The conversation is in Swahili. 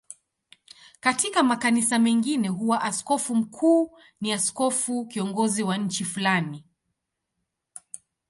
Katika makanisa mengine huwa askofu mkuu ni askofu kiongozi wa nchi fulani.